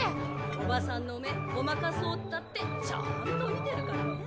おばさんの目ごまかそうったってちゃんと見てるからね。